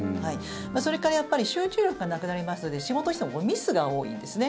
それからやっぱり集中力がなくなりますので仕事をしてもミスが多いんですね。